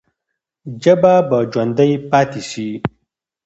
ژبه به ژوندۍ پاتې سي.